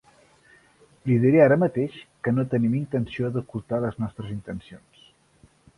Li diré ara mateix que no tenim intenció d'ocultar les nostres intencions.